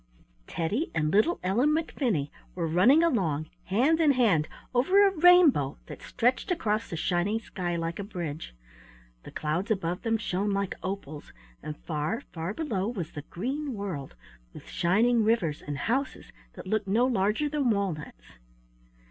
Teddy and little Ellen McFinney were running along, hand in hand, over a rainbow that stretched across the shining sky like a bridge. The clouds above them shone like opals, and far, far below was the green world, with shining rivers, and houses that looked no larger than walnuts.